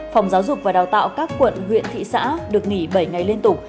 phòng giáo dục và đào tạo các quận huyện thị xã được nghỉ bảy ngày liên tục